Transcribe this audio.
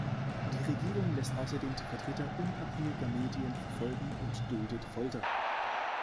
Die Regierung lässt außerdem die Vertreter unabhängiger Medien verfolgen und duldet Folter.